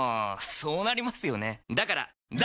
そうなりますよねだから脱！